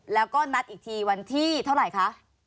แล้วก็นัดอีกทีวันที่เท่าไหร่คะ